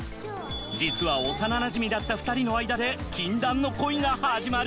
実は幼なじみだった２人のあいだで禁断の恋が始まる！？